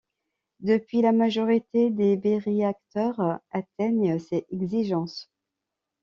Depuis, la majorité des biréacteurs atteignent ces exigences.